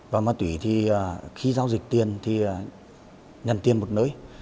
và ma túy thì khi giao dịch tiền thì nhận tiền một nơi